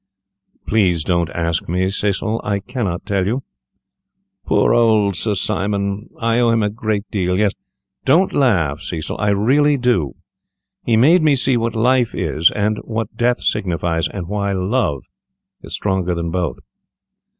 "Please don't ask me, Cecil, I cannot tell you. Poor Sir Simon! I owe him a great deal. Yes, don't laugh, Cecil, I really do. He made me see what Life is, and what Death signifies, and why Love is stronger than both."